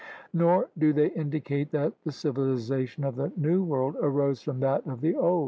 Nor do they indicate that the civiliza tion of the New World arose from that of the Old.